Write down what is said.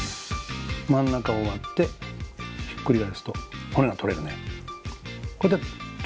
真ん中を割ってひっくり返すと骨が取れるね。